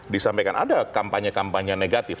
disampaikan ada kampanye kampanye negatif